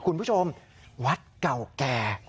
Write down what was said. คุณผู้ชมวัดเก่าแก่